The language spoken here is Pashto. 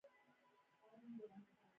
ښه پلان د هر ستر کاروبار اساس دی.